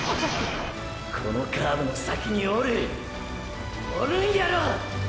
このカーブの先におるおるんやろ。